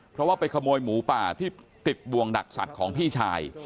เพราะว่าไปขโมยหมูป่าที่ติดบวงดักสัตว์ของพี่ชาย